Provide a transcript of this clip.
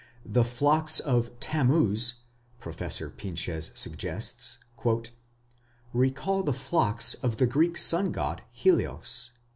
The flocks of Tammuz, Professor Pinches suggests, "recall the flocks of the Greek sun god Helios.